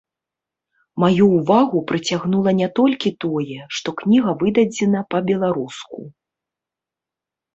Маю ўвагу прыцягнула не толькі тое, што кніга выдадзена па-беларуску.